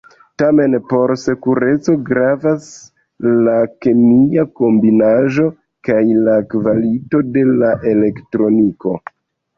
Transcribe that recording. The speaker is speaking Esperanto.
Tamen por sekureco gravas la kemia kombinaĵo kaj la kvalito de la elektroniko.